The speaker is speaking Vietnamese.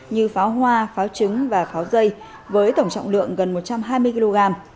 như pháo hoa pháo trứng và pháo dây với tổng trọng lượng gần một trăm hai mươi kg